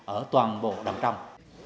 ở toàn bộ đầm trong